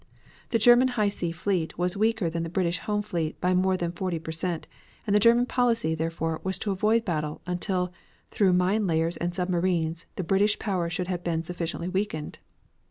The German High Sea Fleet was weaker than the British home fleet by more than forty per cent, and the German policy, therefore, was to avoid a battle, until, through mine layers and submarines, the British power should have been sufficiently weakened.